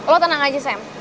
lo tenang aja sam